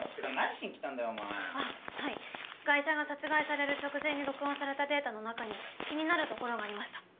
ガイ者が殺害される直前に録音されたデータの中に気になるところがありました。